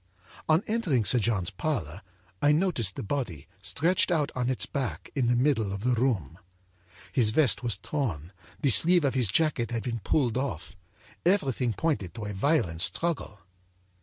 âOn entering Sir John's parlor, I noticed the body, stretched out on its back, in the middle of the room. âHis vest was torn, the sleeve of his jacket had been pulled off, everything pointed to, a violent struggle.